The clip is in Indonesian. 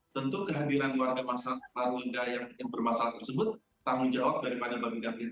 tentu kehadiran warga warga yang bermasalah tersebut tanggung jawab daripada panggilannya